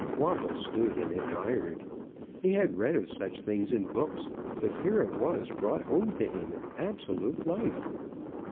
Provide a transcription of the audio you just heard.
Waddle stood and admired. He had read of such things in books, but here it was brought home to him in absolute life.